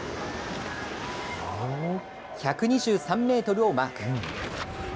１２３メートルをマーク。